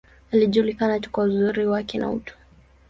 Alijulikana kwa uzuri wake, na utu.